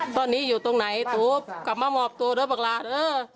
ตอนนี้อยู่ตรงไหนตุ๊บากลับมาอมอบตัวเลยบากราช